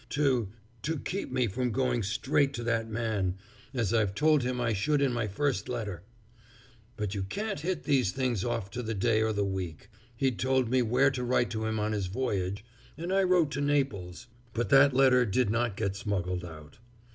"To to keep me from going straight to that man, as I'd told him I should in my first letter! But you can't hit these things off to the day or the week; he'd told me where to write to him on his voyage, and I wrote to Naples, but that letter did not get smuggled out.